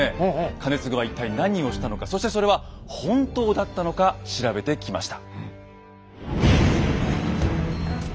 兼続は一体何をしたのかそしてそれは本当だったのか調べてきました。